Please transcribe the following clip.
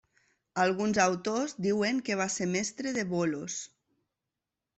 Alguns autors diuen que va ser mestre de Bolos.